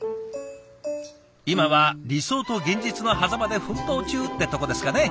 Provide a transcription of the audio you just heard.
今は理想と現実のはざまで奮闘中ってとこですかね。